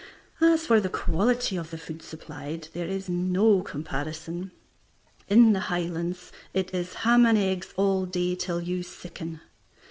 As for the quality of the food supplied, there is no comparison. In the Highlands it is ham and eggs all day till you sicken.